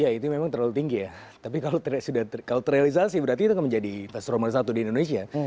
ya itu memang terlalu tinggi ya tapi kalau terrealisasi berarti itu tidak menjadi investasi romans satu di indonesia